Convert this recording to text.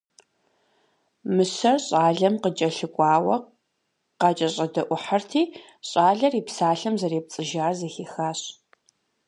Мыщэр щӏалэм къыкӏэлъыкӏуауэ къакӏэщӏэдэӏухьырти, щӏалэр и псалъэм зэрепцӏыжар зэхихащ.